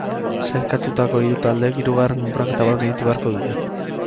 Sailkatutako hiru taldeek hirugarren kanporaketa bat gainditu beharko dute.